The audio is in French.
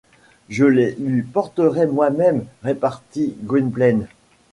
Je les lui porterai moi-même, repartit Gwynplaine.